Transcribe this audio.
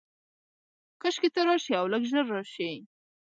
کاشکي ته راشې، اولږ ژر راشې